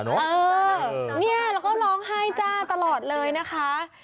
เออเนี่ยแล้วก็ร้องไห้จ้าตลอดเลยนะคะ